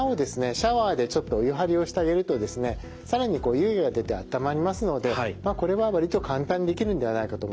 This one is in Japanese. シャワーでちょっとお湯はりをしてあげるとですね更に湯気が出て暖まりますのでまあこれは割と簡単にできるんではないかと思います。